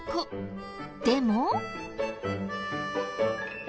でも。